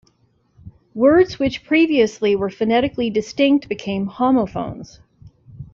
Words which previously were phonetically distinct became homophones.